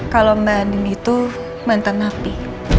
kalau mbak andin itu mantan nafi